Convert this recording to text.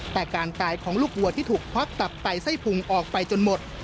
แต่การตายของลูกวัวที่ถูกควักตับไตไส้พุงออกไปจนหมด